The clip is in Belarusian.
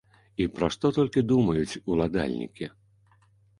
І пра што толькі думаюць уладальнікі?